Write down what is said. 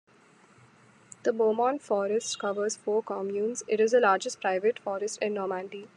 The Beaumont forest covers four communes; it is the largest private forest in Normandy.